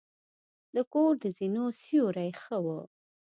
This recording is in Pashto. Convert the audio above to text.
د کور د زینو سیوري ښه وه.